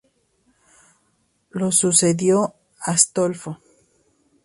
Lo sucedió Astolfo.